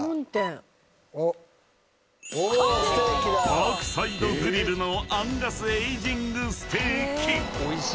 ［パークサイド・グリルのアンガス・エイジングステーキ］